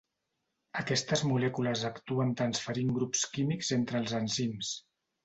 Aquestes molècules actuen transferint grups químics entre els enzims.